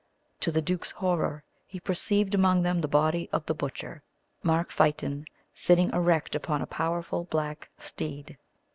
To the duke's horror, he perceived among them the body of the butcher, Mark Fytton, sitting erect upon a powerful black steed.